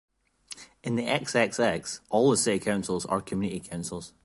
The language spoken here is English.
In the XXX, all the City Councils are Community Councils.